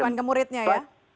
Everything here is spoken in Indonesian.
bukan ke muridnya ya